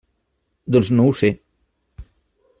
Doncs no ho sé.